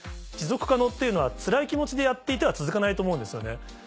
持続可能っていうのはツラい気持ちでやっていては続かないと思うんですよね。